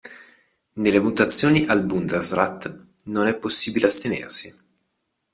Nelle votazioni al Bundesrat non è possibile astenersi.